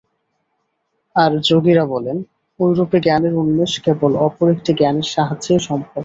আর যোগীরা বলেন, ঐরূপে জ্ঞানের উন্মেষ কেবল অপর একটি জ্ঞানের সাহায্যেই সম্ভব।